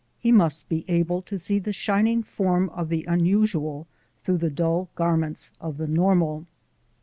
He must be able to see the shining form of the unusual through the dull garments of the normal.